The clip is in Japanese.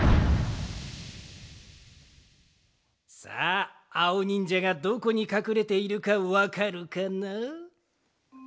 さああおにんじゃがどこにかくれているかわかるかな？